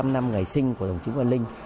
một trăm linh năm ngày sinh của đồng chí văn linh